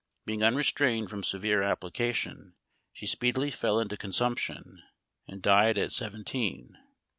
Being unrestrained from severe appli cation she speedily fell into consumption, and died at seven teen.